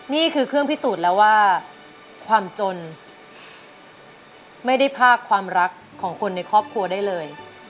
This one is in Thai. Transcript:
นี่คือเครื่องพิสูจน์แล้วว่าความจนไม่ได้ภาคความรักของคนในครอบครัวได้เลย